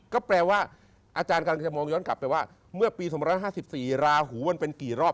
ก็แปลว่าอาจารย์กำลังจะมองย้อนกลับไปว่าเมื่อปี๒๕๔ราหูมันเป็นกี่รอบ